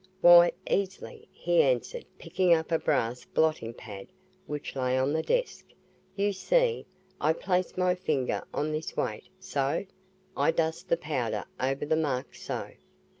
"Why, easily," he answered picking up a brass blotting pad which lay on the desk. "You see, I place my finger on this weight so. I dust the powder over the mark so.